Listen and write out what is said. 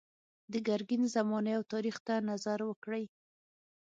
د ګرګین زمانې او تاریخ ته نظر وکړئ.